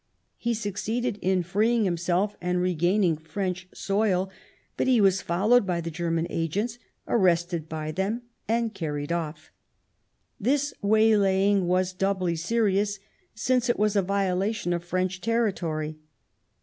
He succeeded in freeing himself and regaining French soil ; but he was followed by the German agents, arrested by them, and carried off. ... This waylaying was doubly serious since it was a viola tion of French territory.